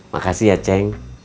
makasih ya ceng